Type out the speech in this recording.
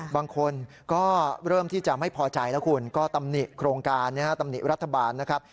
บางคนก็เริ่มที่จะไม่พอใจแล้วคุณก็ตำหนิโครงการตำหนิรัฐบาลนะครับ